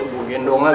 gue gendong aja